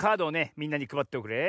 みんなにくばっておくれ。